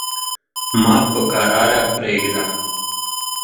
ما په کراره پرېږده.